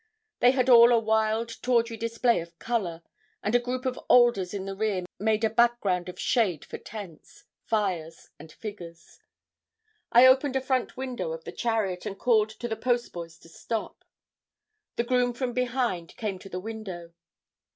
They had all a wild tawdry display of colour; and a group of alders in the rear made a background of shade for tents, fires, and figures. I opened a front window of the chariot, and called to the postboys to stop. The groom from behind came to the window.